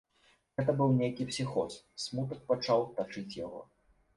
Гэта быў нейкі псіхоз, смутак пачаў тачыць яго.